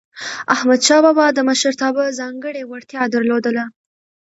احمدشاه بابا د مشرتابه ځانګړی وړتیا درلودله.